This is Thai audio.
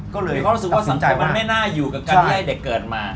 ก็เลยรู้สึกว่าสนใจมันไม่น่าอยู่กับการที่ให้เด็กเกิดมา